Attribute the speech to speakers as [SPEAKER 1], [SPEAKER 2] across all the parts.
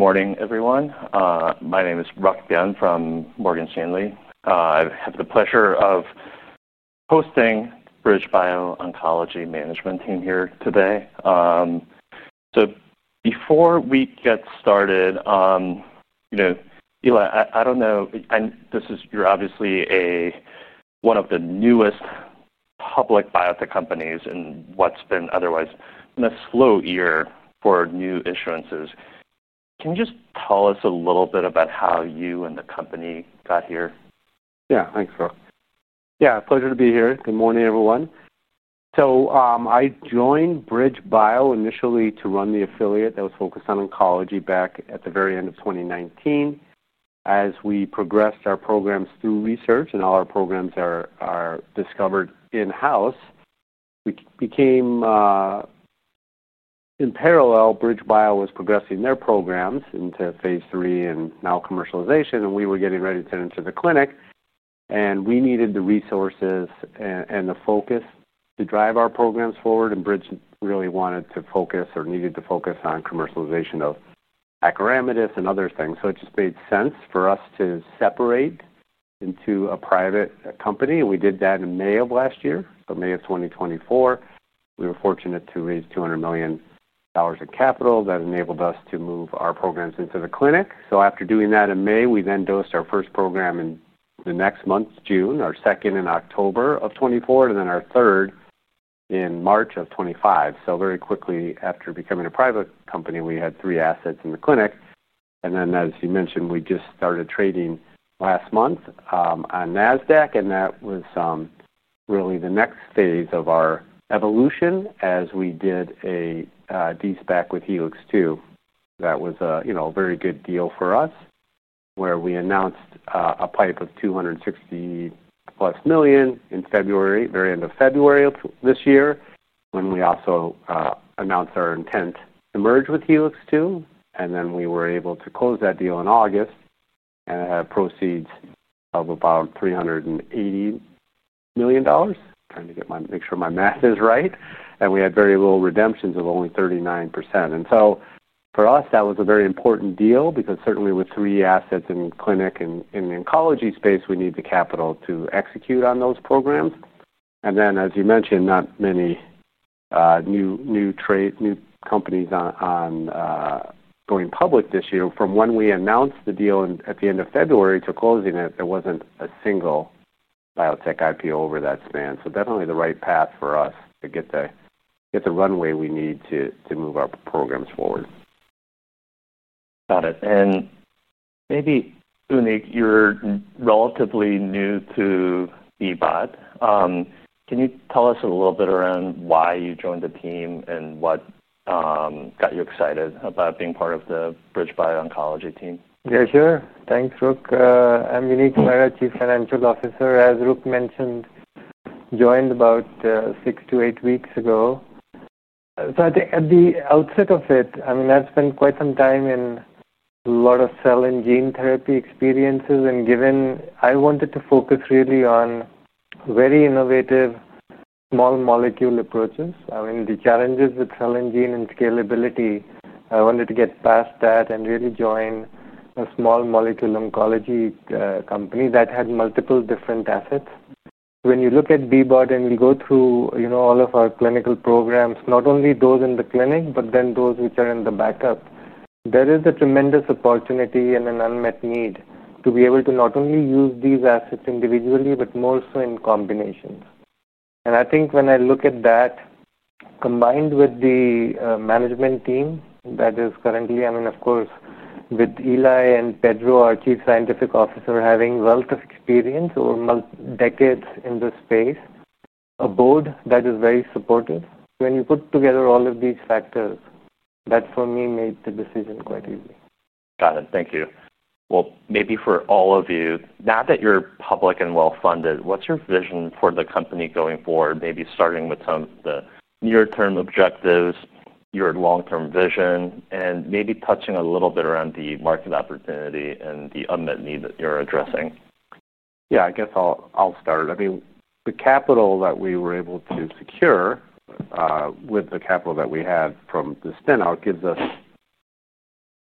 [SPEAKER 1] Good morning, everyone. My name is Rok Ben from Morgan Stanley. I have the pleasure of hosting BridgeBio Oncology Therapeutics right here today. Before we get started, Eli, I don't know. You're obviously one of the newest public biotech companies in what's otherwise been a slow year for new issuances. Can you just tell us a little bit about how you and the company got here?
[SPEAKER 2] Yeah, thanks, Rok. Yeah, pleasure to be here. Good morning, everyone. I joined BridgeBio initially to run the affiliate that was focused on oncology back at the very end of 2019. As we progressed our programs through research and all our programs are discovered in-house, we became, in parallel, BridgeBio was progressing their programs into phase three and now commercialization, and we were getting ready to enter the clinic. We needed the resources and the focus to drive our programs forward, and BridgeBio really wanted to focus or needed to focus on commercialization of Macaromidas and other things. It just made sense for us to separate into a private company. We did that in May of last year, so May of 2024. We were fortunate to raise $200 million of capital that enabled us to move our programs into the clinic. After doing that in May, we then dosed our first program in the next month, June, our second in October of 2024, and then our third in March of 2025. Very quickly, after becoming a private company, we had three assets in the clinic. As you mentioned, we just started trading last month on NASDAQ, and that was really the next phase of our evolution as we did a de-SPAC with Helix Acquisition Corp. II. That was a very good deal for us where we announced a PIPE of $260 million plus in February, the very end of February of this year, when we also announced our intent to merge with Helix Acquisition Corp. II. We were able to close that deal in August and had proceeds of about $380 million. Trying to get my make sure my math is right. We had very little redemptions of only 39%. For us, that was a very important deal because certainly with three assets in clinic and in the oncology space, we need the capital to execute on those programs. As you mentioned, not many new companies are going public this year. From when we announced the deal at the end of February to closing it, there wasn't a single biotech IPO over that span. Definitely the right path for us to get the runway we need to move our programs forward.
[SPEAKER 1] Got it. Unique, you're relatively new to bBOT. Can you tell us a little bit around why you joined the team and what got you excited about being part of the BridgeBio Oncology Therapeutics team?
[SPEAKER 3] Yeah, sure. Thanks, Rok. I'm Unique Weather, Chief Financial Officer. As Rok mentioned, I joined about six to eight weeks ago. At the outset of it, I've spent quite some time in a lot of cell and gene therapy experiences. Given I wanted to focus really on very innovative small molecule approaches, the challenges with cell and gene and scalability, I wanted to get past that and really join a small molecule oncology company that had multiple different assets. When you look at BridgeBio Oncology Therapeutics and we go through all of our clinical programs, not only those in the clinic, but then those which are in the backup, there is a tremendous opportunity and an unmet need to be able to not only use these assets individually, but more so in combinations. I think when I look at that, combined with the management team that is currently, of course, with Eli and Pedro, our Chief Scientific Officer, having wealth of experience over decades in this space, a board that is very supportive. When you put together all of these factors, that for me made the decision quite easy.
[SPEAKER 1] Thank you. Maybe for all of you, now that you're public and well-funded, what's your vision for the company going forward? Maybe starting with some of the near-term objectives, your long-term vision, and maybe touching a little bit around the market opportunity and the unmet need that you're addressing.
[SPEAKER 2] I guess I'll start. The capital that we were able to secure, with the capital that we had from the spin-out, gives us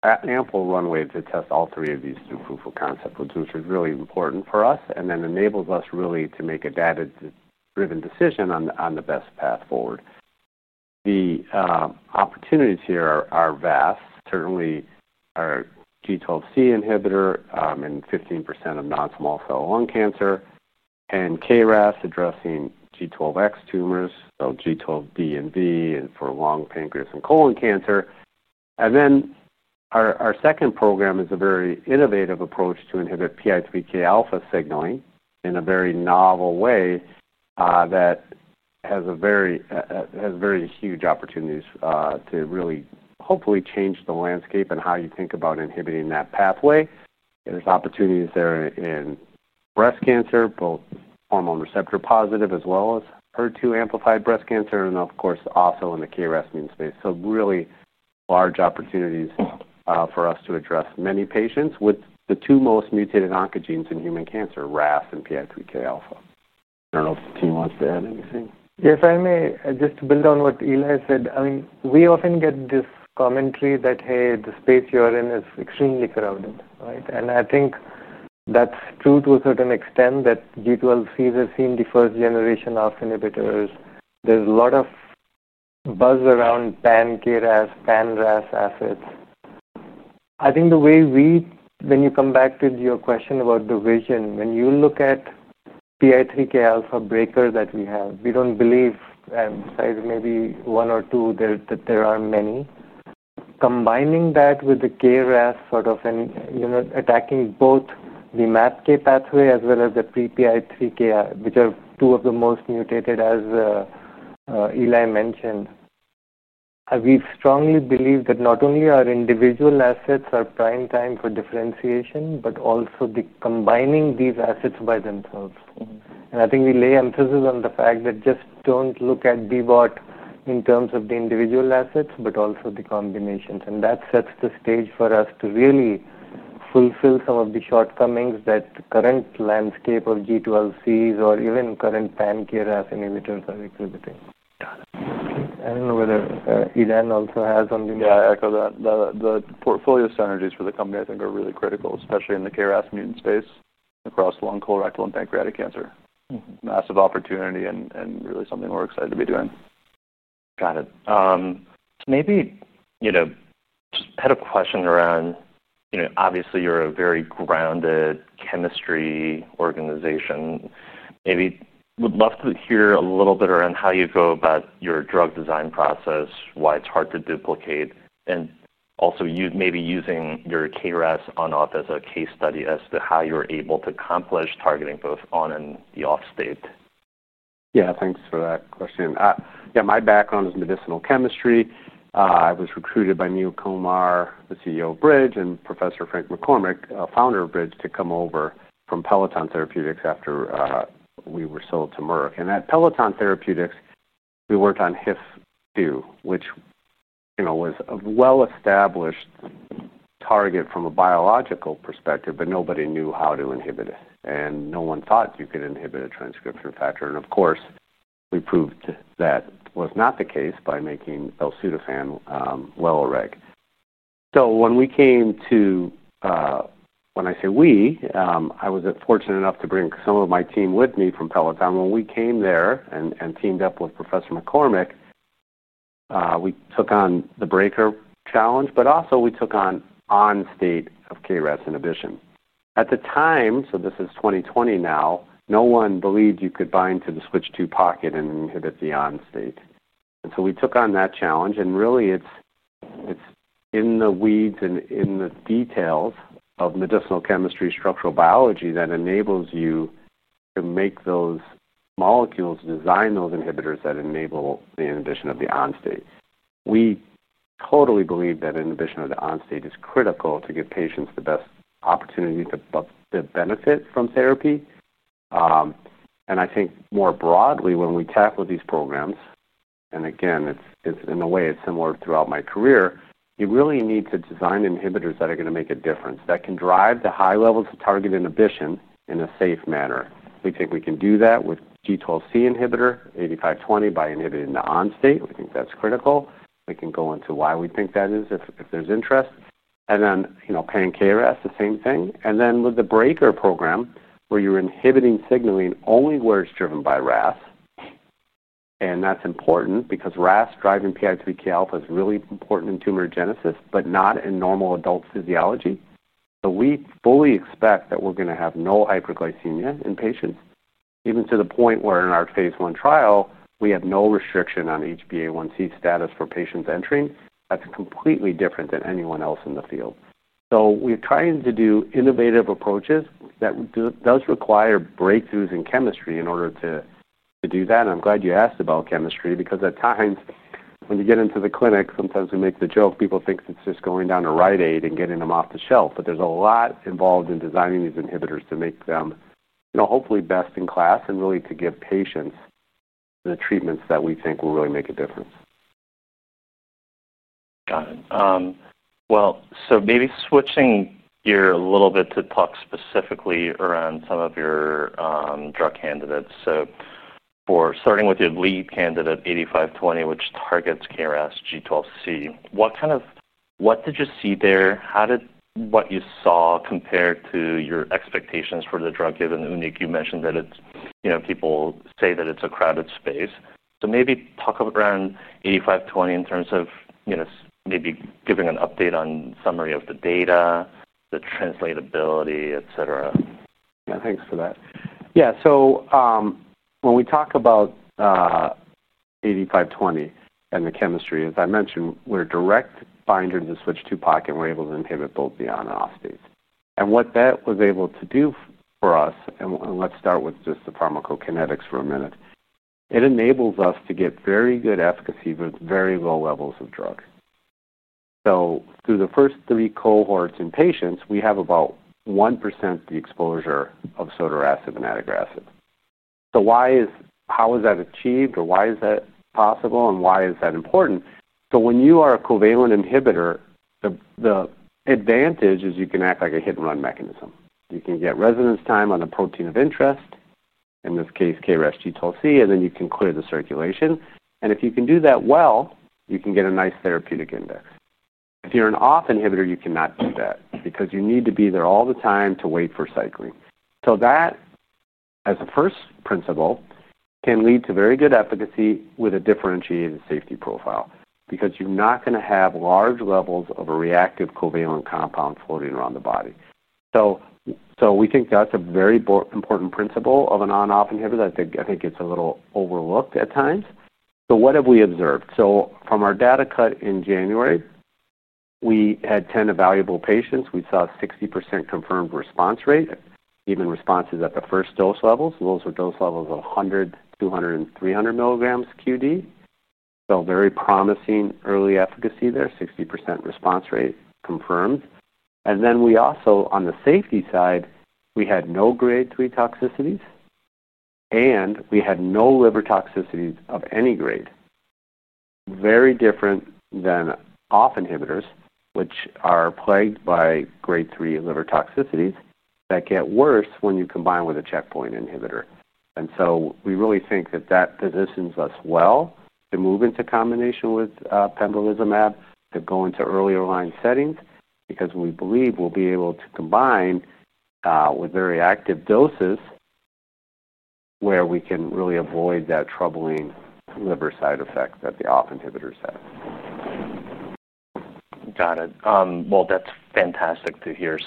[SPEAKER 2] ample runway to test all three of these to proof of concept, which is really important for us and then enables us to make a data-driven decision on the best path forward. The opportunities here are vast. Certainly, our KRAS G12C inhibitor in 15% of non-small cell lung cancer and KRAS addressing G12X tumors, so G12D and B, and for lung, pancreas, and colon cancer. Our second program is a very innovative approach to inhibit PI3Kα signaling in a very novel way, that has very huge opportunities to hopefully change the landscape in how you think about inhibiting that pathway. There are opportunities in breast cancer, both hormone receptor positive as well as HER2 amplified breast cancer, and of course, also in the KRAS main space. Really large opportunities for us to address many patients with the two most mutated oncogenes in human cancer, RAS and PI3Kα. I don't know if the team wants to add anything.
[SPEAKER 3] Yes, I may just build on what Eli said. I mean, we often get this commentary that, hey, the space you're in is extremely crowded, right? I think that's true to a certain extent that G12Cs are seen as the first generation of inhibitors. There's a lot of buzz around pan-KRAS, pan-RAS assets. I think the way we, when you come back to your question about the vision, when you look at PI3Kα breakers that we have, we don't believe, and there's maybe one or two, there are many. Combining that with the KRAS sort of, and you're not attacking both the MAPK pathway as well as the pre-PI3K, which are two of the most mutated, as Eli mentioned. We strongly believe that not only our individual assets are prime time for differentiation, but also combining these assets by themselves. I think we lay emphasis on the fact that just don't look at BridgeBio Oncology Therapeutics in terms of the individual assets, but also the combinations. That sets the stage for us to really fulfill some of the shortcomings that the current landscape of G12Cs or even current pan-KRAS inhibitors are exhibiting.
[SPEAKER 2] I thought the portfolio synergies for the company, I think, are really critical, especially in the KRAS mutant space across lung, colorectal, and pancreatic cancer. Massive opportunity and really something we're excited to be doing.
[SPEAKER 1] Got it. Maybe, you know, just had a question around, you know, obviously you're a very grounded chemistry organization. Maybe would love to hear a little bit around how you go about your drug design process, why it's hard to duplicate, and also you maybe using your KRAS on/off as a case study as to how you're able to accomplish targeting both on and the off state.
[SPEAKER 2] Yeah, thanks for that question. Yeah, my background is medicinal chemistry. I was recruited by Neil Kumar, the CEO of BridgeBio Pharma, and Professor Frank McCormick, founder of BridgeBio Pharma, to come over from Peloton Therapeutics after we were sold to Merck. At Peloton Therapeutics, we worked on HIF2, which was a well-established target from a biological perspective, but nobody knew how to inhibit it. No one thought you could inhibit a transcription factor. Of course, we proved that was not the case by making L-sudafen lower reg. When we came to, when I say we, I was fortunate enough to bring some of my team with me from Peloton. When we came there and teamed up with Professor McCormick, we took on the breaker challenge, but also we took on on-state of KRAS inhibition. At the time, this is 2020 now, no one believed you could bind to the SWITCH2 pocket and inhibit the on-state. We took on that challenge. Really, it's in the weeds and in the details of medicinal chemistry and structural biology that enables you to make those molecules, design those inhibitors that enable the inhibition of the on-state. We totally believe that inhibition of the on-state is critical to give patients the best opportunity to benefit from therapy. I think more broadly, when we tackle these programs, and again, it's in a way it's similar throughout my career, you really need to design inhibitors that are going to make a difference, that can drive the high levels of target inhibition in a safe manner. We think we can do that with KRAS G12C inhibitor BBO-8520 by inhibiting the on-state. We think that's critical. We can go into why we think that is if there's interest. Then pan-KRAS, the same thing. With the breaker program, where you're inhibiting signaling only where it's driven by RAS, that's important because RAS driving PI3Kα is really important in tumor genesis, but not in normal adult physiology. We fully expect that we're going to have no hyperglycemia in patients, even to the point where in our phase one trial, we have no restriction on HbA1c status for patients entering. That's completely different than anyone else in the field. We're trying to do innovative approaches that do require breakthroughs in chemistry in order to do that. I'm glad you asked about chemistry because at times, when you get into the clinic, sometimes we make the joke, people think it's just going down to Rite Aid and getting them off the shelf. There's a lot involved in designing these inhibitors to make them, you know, hopefully best in class and really to give patients the treatments that we think will really make a difference.
[SPEAKER 1] Got it. Maybe switching here a little bit to talk specifically around some of your drug candidates. For starting with your lead candidate, BBO-8520, which targets KRAS G12C, what kind of, what did you see there? How did what you saw compare to your expectations for the drug given? Unique, you mentioned that it's, you know, people say that it's a crowded space. Maybe talk around BBO-8520 in terms of, you know, maybe giving an update on summary of the data, the translatability, et cetera.
[SPEAKER 2] Yeah, thanks for that. When we talk about BBO-8520 and the chemistry, as I mentioned, we're a direct binder to the SWITCH2 pocket and we're able to inhibit both beyond and off-state. What that was able to do for us, and let's start with just the pharmacokinetics for a minute, it enables us to get very good efficacy with very low levels of drug. Through the first three cohorts in patients, we have about 1% of the exposure of sodium acid and natric acid. How is that achieved or why is that possible and why is that important? When you are a covalent inhibitor, the advantage is you can act like a hit-and-run mechanism. You can get residence time on the protein of interest, in this case, KRAS G12C, and then you can clear the circulation. If you can do that well, you can get a nice therapeutic index. If you're an off inhibitor, you cannot do that because you need to be there all the time to wait for cycling. That, as a first principle, can lead to very good efficacy with a differentiated safety profile because you're not going to have large levels of a reactive covalent compound floating around the body. We think that's a very important principle of a non-off inhibitor that I think gets a little overlooked at times. What have we observed? From our data cut in January, we had 10 evaluable patients. We saw a 60% confirmed response rate, even responses at the first dose levels. Those were dose levels of 100, 200, and 300 milligrams qD. Very promising early efficacy there, 60% response rate confirmed. We also, on the safety side, had no grade 3 toxicities and we had no liver toxicities of any grade. Very different than off inhibitors, which are plagued by grade 3 liver toxicities that get worse when you combine with a checkpoint inhibitor. We really think that positions us well to move into combination with pembrolizumab to go into earlier line settings because we believe we'll be able to combine with very active doses where we can really avoid that troubling liver side effect that the off inhibitors have.
[SPEAKER 1] That's fantastic to hear.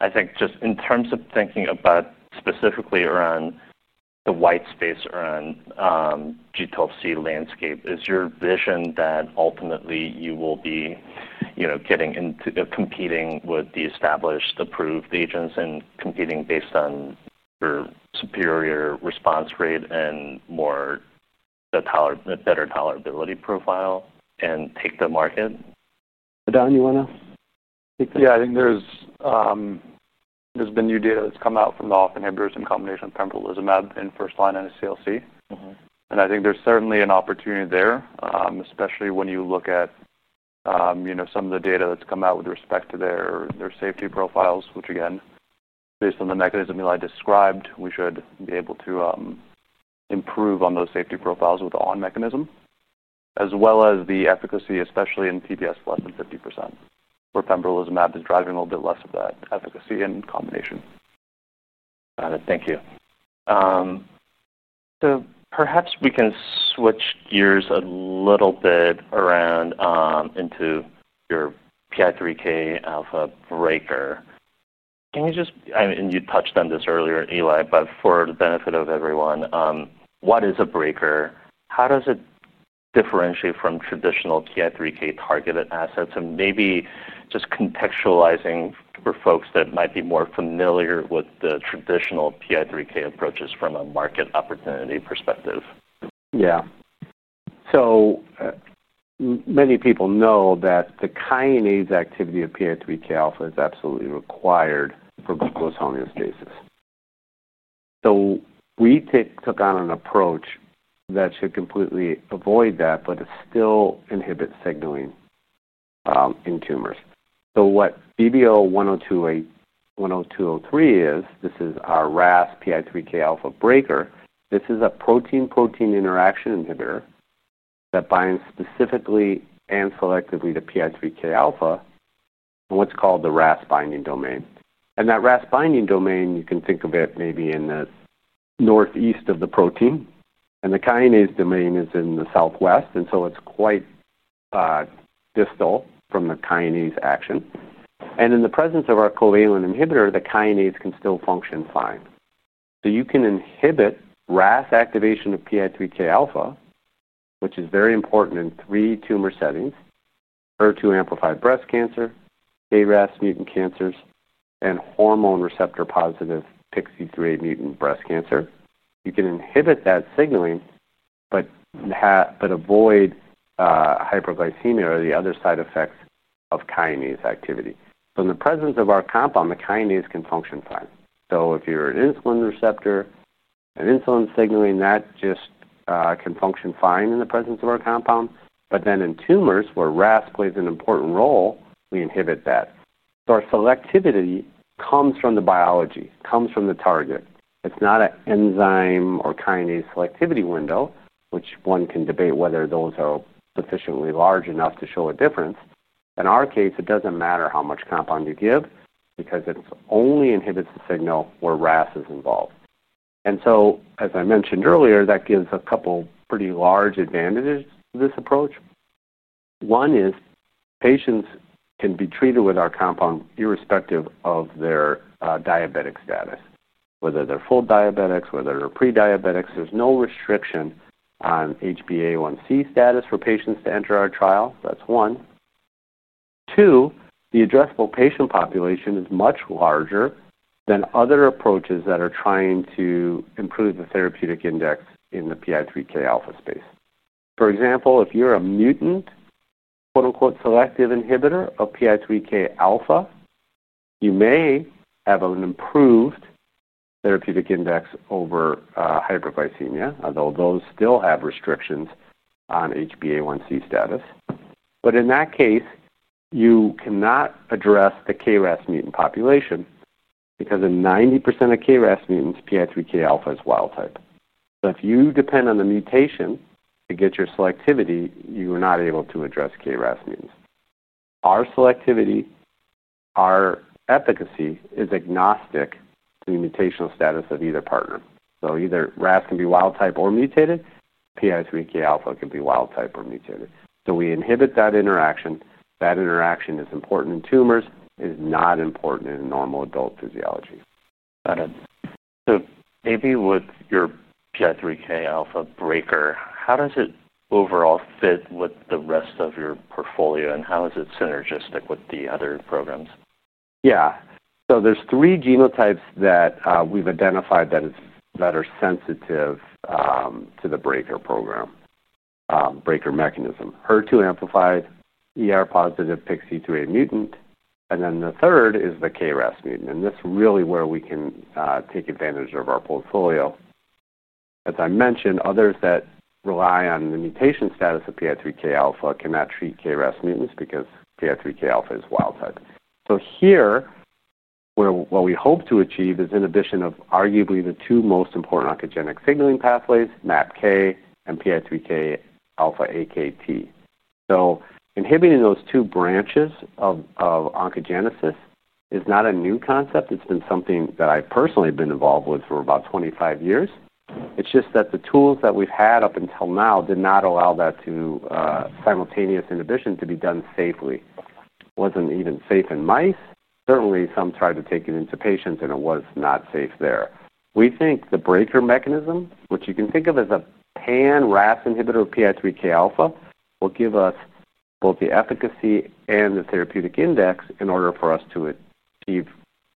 [SPEAKER 1] I think just in terms of thinking about specifically around the white space around the G12C landscape, is your vision that ultimately you will be getting into competing with the established approved agents and competing based on your superior response rate and a better tolerability profile and take the market?
[SPEAKER 2] Adan, you want to take this?
[SPEAKER 4] Yeah, I think there's been new data that's come out from the off inhibitors in combination with pembrolizumab in first line NSCLC. I think there's certainly an opportunity there, especially when you look at some of the data that's come out with respect to their safety profiles, which again, based on the mechanism Eli described, we should be able to improve on those safety profiles with the on mechanism, as well as the efficacy, especially in TBS < 50%, where pembrolizumab is driving a little bit less of that efficacy in combination.
[SPEAKER 1] Got it. Thank you. Perhaps we can switch gears a little bit into your PI3Kα breaker. Can you just, I mean, you touched on this earlier, Eli, but for the benefit of everyone, what is a breaker? How does it differentiate from traditional PI3K targeted assets? Maybe just contextualizing for folks that might be more familiar with the traditional PI3K approaches from a market opportunity perspective.
[SPEAKER 2] Yeah. So many people know that the kinase activity of PI3Kα is absolutely required for glucosaminostasis. We took on an approach that should completely avoid that, but it still inhibits signaling in tumors. What BBO-10203 is, this is our RAS-PI3Kα breaker. This is a protein-protein interaction inhibitor that binds specifically and selectively to PI3Kα and what's called the RAS binding domain. That RAS binding domain, you can think of it maybe in the northeast of the protein, and the kinase domain is in the southwest, so it's quite distal from the kinase action. In the presence of our covalent inhibitor, the kinase can still function fine. You can inhibit RAS activation of PI3Kα, which is very important in three tumor settings: HER2 amplified breast cancer, KRAS mutant cancers, and hormone receptor positive PIK3CA mutant breast cancer. You can inhibit that signaling, but avoid hyperglycemia or the other side effects of kinase activity. In the presence of our compound, the kinase can function fine. If you're an insulin receptor and insulin signaling, that can function fine in the presence of our compound. In tumors, where RAS plays an important role, we inhibit that. Our selectivity comes from the biology, comes from the target. It's not an enzyme or kinase selectivity window, which one can debate whether those are sufficiently large enough to show a difference. In our case, it doesn't matter how much compound you give because it only inhibits the signal where RAS is involved. As I mentioned earlier, that gives a couple of pretty large advantages to this approach. One is patients can be treated with our compound irrespective of their diabetic status, whether they're full diabetics or pre-diabetics. There's no restriction on HbA1c status for patients to enter our trial. That's one. Two, the addressable patient population is much larger than other approaches that are trying to improve the therapeutic index in the PI3Kα space. For example, if you're a mutant "selective" inhibitor of PI3Kα, you may have an improved therapeutic index over hyperglycemia, although those still have restrictions on HbA1c status. In that case, you cannot address the KRAS mutant population because in 90% of KRAS mutants, PI3Kα is wild type. If you depend on the mutation to get your selectivity, you are not able to address KRAS mutants. Our selectivity, our efficacy is agnostic to the mutational status of either partner. Either RAS can be wild type or mutated, PI3Kα can be wild type or mutated. We inhibit that interaction. That interaction is important in tumors, is not important in normal adult physiology.
[SPEAKER 1] Got it. Maybe with your PI3Kα breaker, how does it overall fit with the rest of your portfolio, and how is it synergistic with the other programs?
[SPEAKER 2] Yeah. There are three genotypes that we've identified that are sensitive to the breaker program, breaker mechanism: HER2 amplified, positive, PIKC2A mutant, and then the third is the KRAS mutant. This is really where we can take advantage of our portfolio. As I mentioned, others that rely on the mutation status of PI3Kα cannot treat KRAS mutants because PI3Kα is wild type. Here, what we hope to achieve is inhibition of arguably the two most important oncogenic signaling pathways, MAPK and PI3Kα AKT. Inhibiting those two branches of oncogenesis is not a new concept. It's been something that I personally have been involved with for about 25 years. It's just that the tools that we've had up until now did not allow that simultaneous inhibition to be done safely. It wasn't even safe in mice. Certainly, some tried to take it into patients and it was not safe there. We think the breaker mechanism, which you can think of as a pan-RAS inhibitor of PI3Kα, will give us both the efficacy and the therapeutic index in order for us to achieve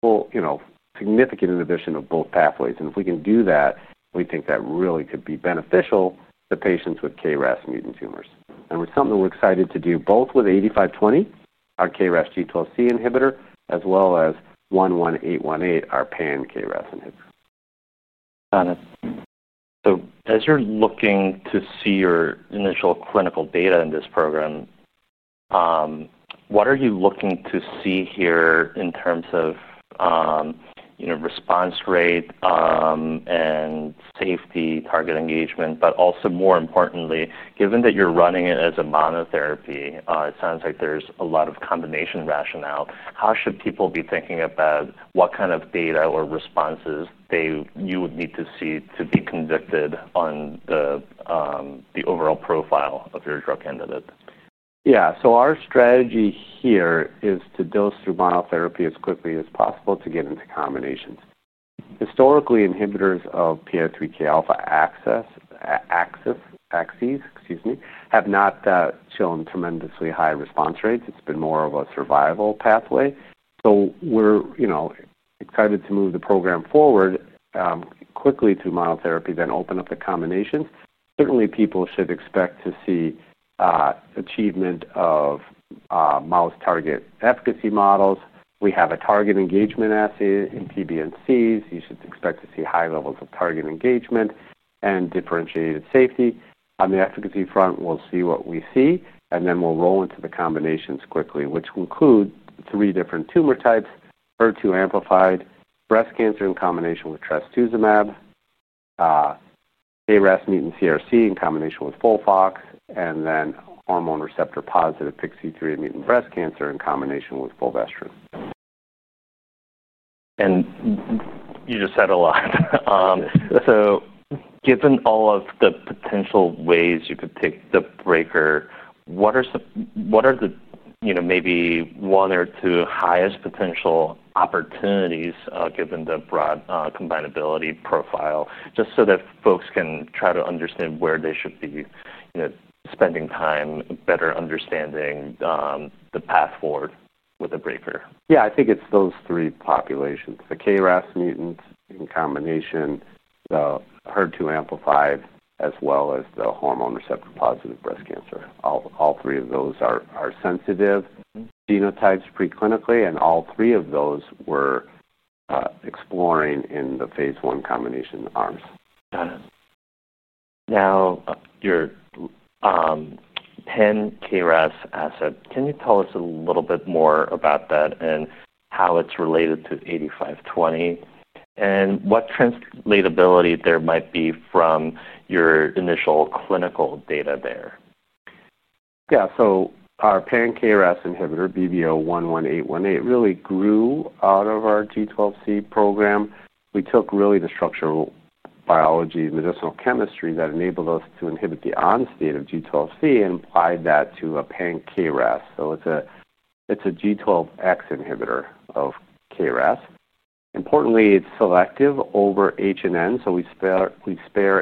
[SPEAKER 2] full, you know, significant inhibition of both pathways. If we can do that, we think that really could be beneficial to patients with KRAS mutant tumors. It's something we're excited to do both with BBO-8520, our KRAS G12C inhibitor, as well as BBO-11818, our pan-KRAS inhibitor.
[SPEAKER 1] Got it. As you're looking to see your initial clinical data in this program, what are you looking to see here in terms of response rate and safety target engagement, but also more importantly, given that you're running it as a monotherapy, it sounds like there's a lot of combination rationale. How should people be thinking about what kind of data or responses you would need to see to be convicted on the overall profile of your drug candidate?
[SPEAKER 2] Yeah, our strategy here is to dose through monotherapy as quickly as possible to get into combinations. Historically, inhibitors of PI3Kα axes have not shown tremendously high response rates. It's been more of a survival pathway. We're excited to move the program forward quickly through monotherapy, then open up the combinations. Certainly, people should expect to see achievement of mouse target efficacy models. We have a target engagement assay in TBNCs. You should expect to see high levels of target engagement and differentiated safety. On the efficacy front, we'll see what we see, and then we'll roll into the combinations quickly, which will include three different tumor types: HER2-amplified breast cancer in combination with trastuzumab, KRAS mutant CRC in combination with FOLFOX, and hormone receptor positive PIK3CA mutant breast cancer in combination with fulvestrant.
[SPEAKER 1] Given all of the potential ways you could take the breaker, what are the, you know, maybe one or two highest potential opportunities, given the broad combinability profile, just so that folks can try to understand where they should be spending time better understanding the path forward with the breaker?
[SPEAKER 2] Yeah, I think it's those three populations, the KRAS mutant in combination, the HER2 amplified, as well as the hormone receptor positive breast cancer. All three of those are sensitive genotypes preclinically, and all three of those we're exploring in the phase one combination arms.
[SPEAKER 1] Got it. Now, your pan-KRAS asset, can you tell us a little bit more about that and how it's related to BBO-8520 and what translatability there might be from your initial clinical data there?
[SPEAKER 2] Yeah, so our pan-KRAS inhibitor, BBO-11818, really grew out of our G12C program. We took really the structural biology and medicinal chemistry that enabled us to inhibit the on-state of G12C and applied that to a pan-KRAS. It's a G12X inhibitor of KRAS. Importantly, it's selective over H and N, so we spare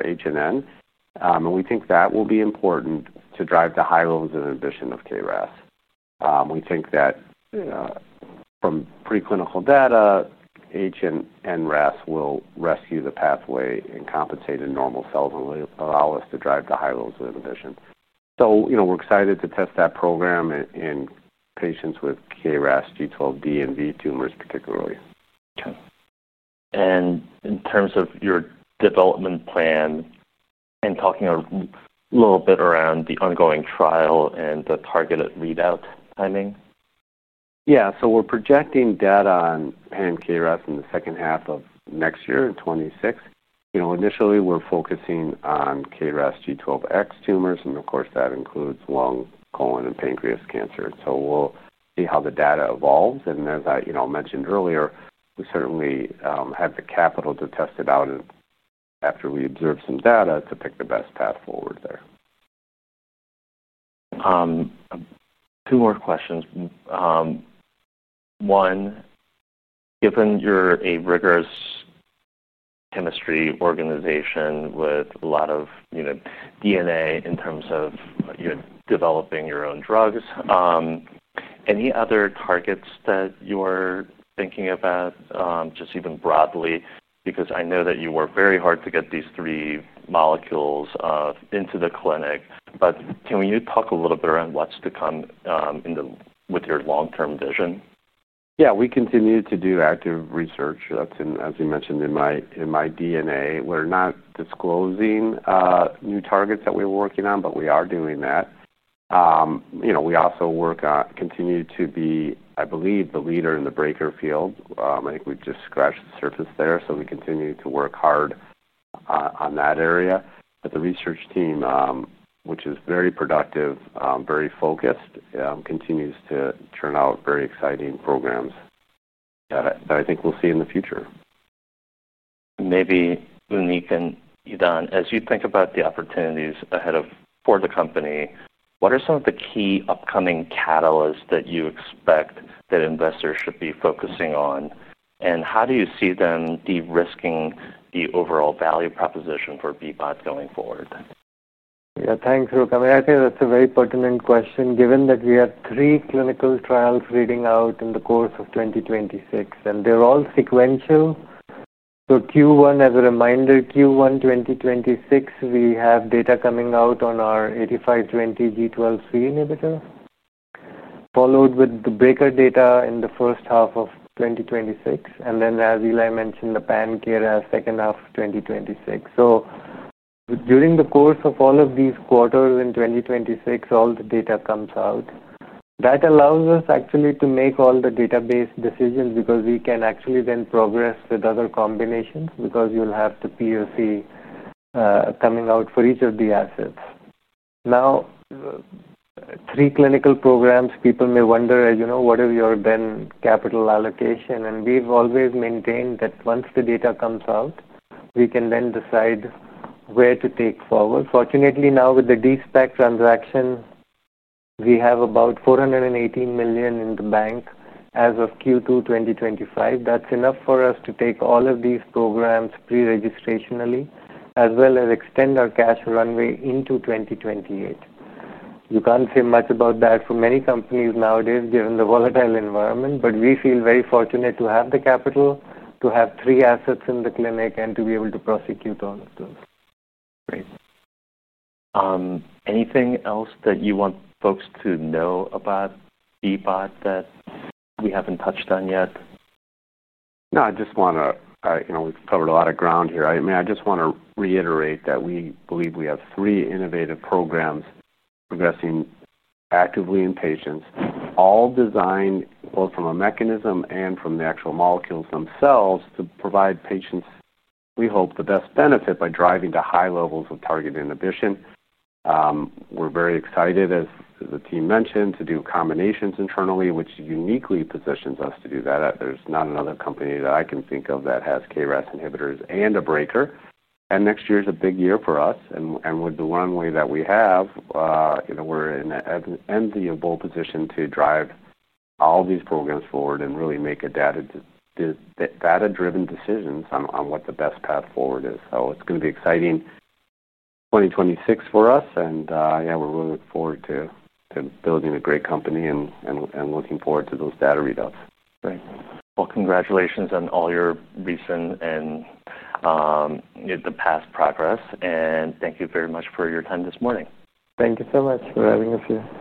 [SPEAKER 2] H and N, and we think that will be important to drive the high levels of inhibition of KRAS. We think that, from preclinical data, H and NRAS will rescue the pathway and compensate in normal cells and allow us to drive the high levels of inhibition. We're excited to test that program in patients with KRAS G12D and V tumors particularly.
[SPEAKER 1] Okay. In terms of your development plan, talking a little bit around the ongoing trial and the targeted readout timing?
[SPEAKER 2] Yeah, we're projecting data on pan-KRAS in the second half of next year, 2026. Initially, we're focusing on KRAS G12X tumors, and of course, that includes lung, colon, and pancreas cancer. We'll see how the data evolves. As I mentioned earlier, we certainly had the capital to test it out after we observed some data to pick the best path forward there.
[SPEAKER 1] Two more questions. One, given you're a rigorous chemistry organization with a lot of DNA in terms of developing your own drugs, any other targets that you're thinking about, just even broadly? I know that you work very hard to get these three molecules into the clinic, but can you talk a little bit around what's to come with your long-term vision?
[SPEAKER 2] Yeah, we continue to do active research. As you mentioned, that's in my DNA. We're not disclosing new targets that we're working on, but we are doing that. You know, we also work on, continue to be, I believe, the leader in the breaker field. I think we've just scratched the surface there. We continue to work hard on that area. The research team, which is very productive and very focused, continues to churn out very exciting programs that I think we'll see in the future.
[SPEAKER 1] Maybe you can, as you think about the opportunities ahead for the company, what are some of the key upcoming catalysts that you expect that investors should be focusing on? How do you see them de-risking the overall value proposition for BridgeBio Oncology Therapeutics going forward?
[SPEAKER 3] Yeah, thanks, Rok. I mean, I think that's a very pertinent question. Given that we have three clinical trials reading out in the course of 2026, and they're all sequential. Q1, as a reminder, Q1 2026, we have data coming out on our BBO-8520 KRAS G12C inhibitor, followed with the breaker data in the first half of 2026. As Eli mentioned, the pan-KRAS second half of 2026. During the course of all of these quarters in 2026, all the data comes out. That allows us actually to make all the database decisions because we can actually then progress with other combinations because you'll have the POC coming out for each of the assets. Now, three clinical programs, people may wonder, as you know, what is your then capital allocation? We've always maintained that once the data comes out, we can then decide where to take forward. Fortunately, now with the de-SPAC transaction, we have about $418 million in the bank as of Q2 2025. That's enough for us to take all of these programs preregistrationally, as well as extend our cash runway into 2028. You can't say much about that for many companies nowadays, given the volatile environment, but we feel very fortunate to have the capital to have three assets in the clinic and to be able to prosecute all of those.
[SPEAKER 1] Great. Anything else that you want folks to know about bBOT that we haven't touched on yet?
[SPEAKER 2] I just want to, you know, we've covered a lot of ground here. I just want to reiterate that we believe we have three innovative programs progressing actively in patients, all designed both from a mechanism and from the actual molecules themselves to provide patients, we hope, the best benefit by driving to high levels of target inhibition. We're very excited, as the team mentioned, to do combinations internally, which uniquely positions us to do that. There's not another company that I can think of that has KRAS inhibitors and a breaker. Next year is a big year for us. With the runway that we have, we're in an enviable position to drive all these programs forward and really make a data-driven decision on what the best path forward is. It's going to be exciting 2026 for us. We really look forward to building a great company and looking forward to those data readouts.
[SPEAKER 1] Great. Congratulations on all your recent and past progress, and thank you very much for your time this morning.
[SPEAKER 2] Thank you so much for having us here.